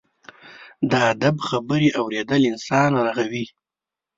د ادب خبرې اورېدل انسان رغوي.